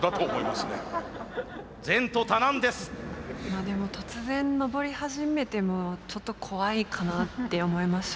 まあでも突然登り始めてもちょっと怖いかなって思います